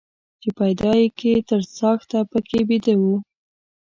چې پيدا يې کى تر څاښته پکښي بيده وو.